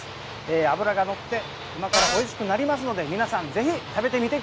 脂が乗って、今からおいしくなりますので、皆さん、ぜひ食べてみ